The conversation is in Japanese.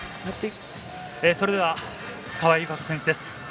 それでは川井友香子選手です。